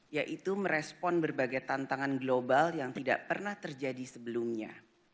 yaitu merespon berbagai tantangan global yang tidak pernah terjadi sebelumnya